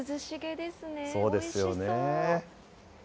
そうですよね。